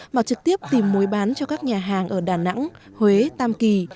mà trực tiếp tìm mối bán cho các nhà hàng ở đà nẵng huế tam kỳ